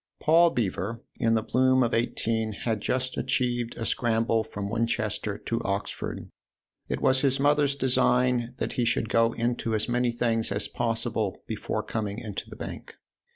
Paul Beever, in the bloom of eighteen, had just achieved a scramble from Win chester to Oxford : it was his mother's design that he should go into as many things as possible before coming into the Bank.